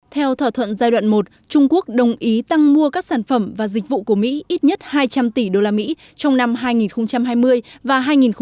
theo thỏa thuận giai đoạn một trung quốc đồng ý tăng mua các sản phẩm và dịch vụ của mỹ ít nhất hai trăm linh tỷ usd trong năm hai nghìn hai mươi và hai nghìn hai mươi một